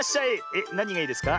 えっなにがいいですか？